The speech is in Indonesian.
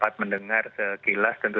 ileen tepung untuk judulnya